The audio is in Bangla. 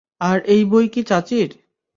আর এই বই কী চাচির?